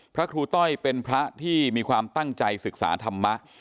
พระครูต้อยเป็นพระที่มีความตั้งใจศึกษาธรรมะ